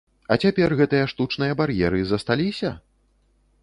А цяпер гэтыя штучныя бар'еры засталіся?